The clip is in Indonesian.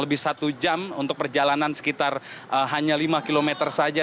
lebih satu jam untuk perjalanan sekitar hanya lima km saja